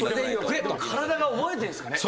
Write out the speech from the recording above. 体が覚えてるんすかね